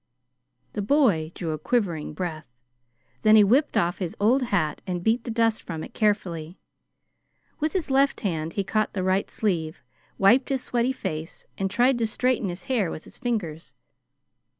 The boy drew a quivering breath. Then he whipped off his old hat and beat the dust from it carefully. With his left hand he caught the right sleeve, wiped his sweaty face, and tried to straighten his hair with his fingers.